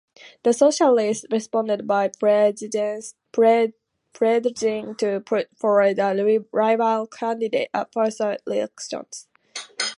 The Socialists responded by pledging to put forward a rival candidate at future elections.